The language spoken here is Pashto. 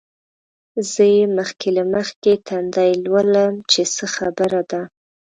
زه یې مخکې له مخکې تندی لولم چې څه خبره ده.